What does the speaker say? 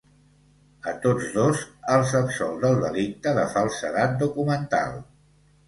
A tots dos, els absol del delicte de falsedat documental.